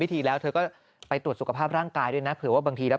ทีแล้วเธอก็ไปตรวจสุขภาพร่างกายด้วยนะเผื่อว่าบางทีแล้ว